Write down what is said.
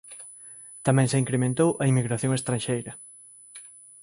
Tamén se incrementou a inmigración estranxeira.